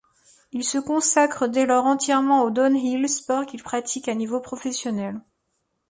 Il se consacre dès lors entièrement au downhill, sport qu'il pratique à niveau professionnel.